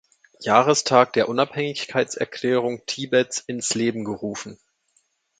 Jahrestag der Unabhängigkeitserklärung Tibets ins Leben gerufen.